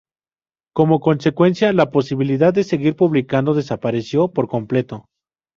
Como consecuencia, la posibilidad de seguir publicando desapareció por completo.